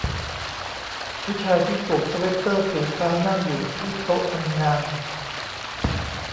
ผู้ชายที่สวมสเวทเตอร์สีฟ้านั่งอยู่ที่โต๊ะทำงาน